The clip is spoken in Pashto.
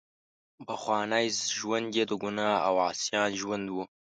پخوانی ژوند یې د ګناه او عصیان ژوند وو.